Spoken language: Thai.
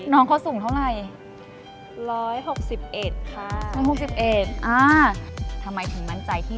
น้องวัลต์ใหม่พี่เจฐิ